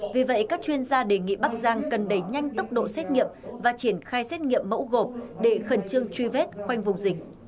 vì vậy các chuyên gia đề nghị bắc giang cần đẩy nhanh tốc độ xét nghiệm và triển khai xét nghiệm mẫu gộp để khẩn trương truy vết khoanh vùng dịch